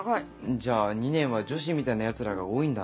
じゃあ２年は女子みたいなやつらが多いんだな。